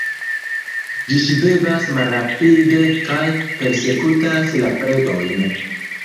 Ĝi ŝvebas malrapide kaj persekutas la predojn.